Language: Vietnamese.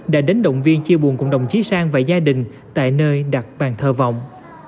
đã đến động viên chia buồn cùng đồng chí sang và gia đình tại nơi đặt bàn thơ vọng